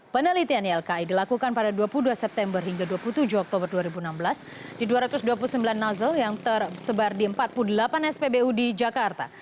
penelitian ylki dilakukan pada dua puluh dua september hingga dua puluh tujuh oktober dua ribu enam belas di dua ratus dua puluh sembilan nozzle yang tersebar di empat puluh delapan spbu di jakarta